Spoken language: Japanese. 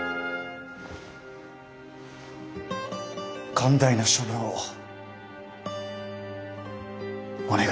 寛大な処分をお願いします。